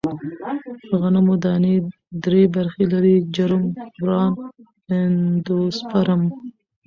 غنمو دانې درې برخې لري: جرم، بران، اندوسپرم.